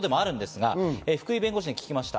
福井弁護士に聞きました。